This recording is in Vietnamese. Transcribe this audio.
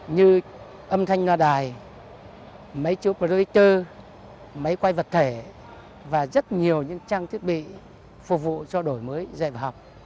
như âm thanh loa đài mấy chú producer mấy quay vật thể và rất nhiều những trang thiết bị phục vụ cho đổi mới dạy học